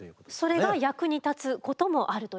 それが役に立つこともあるという。